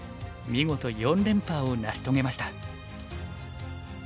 見事四連覇を成し遂げました。